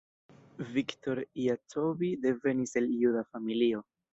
Viktor Jacobi devenis el juda familio.